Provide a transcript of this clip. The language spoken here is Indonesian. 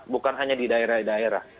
bukan hanya di daerah daerah